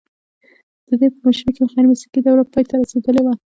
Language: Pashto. د ده په مشرۍ کې غیر مسلکي دوره پای ته رسیدلې ده